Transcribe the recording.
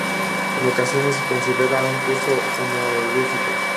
En ocasiones, se considera un curso honorífico.